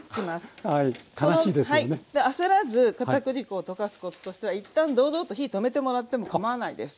焦らずかたくり粉を溶かすコツとしては一旦堂々と火止めてもらってもかまわないです。